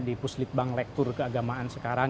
di puslitbang lektur keagamaan sekarang